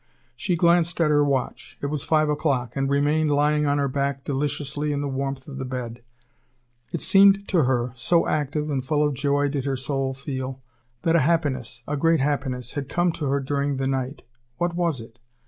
She glanced at her watch it was five o'clock and remained lying on her back deliciously in the warmth of the bed. It seemed to her, so active and full of joy did her soul feel, that a happiness, a great happiness, had come to her during the night. What was it?